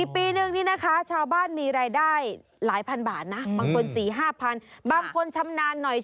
ปีนึงนี่นะคะชาวบ้านมีรายได้หลายพันบาทนะ